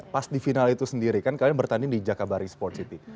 pas di final itu sendiri kan kalian bertanding di jakabaring sport city